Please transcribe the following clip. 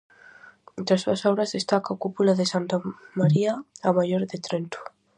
Entre as súas obras destaca a cúpula de Santa María a Maior de Trento.